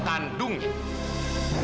untuk yang terdesak